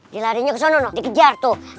dilarinya ke sana dikejar tuh